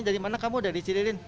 dari mana kamu ada di cililin